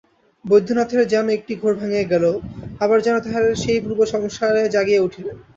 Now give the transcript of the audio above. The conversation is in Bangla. বৈদ্যনাথের যেন একটা ঘোর ভাঙিয়া গেল, আবার যেন তাঁহার সেই পূর্বসংসারে জাগিয়া উঠিলেন।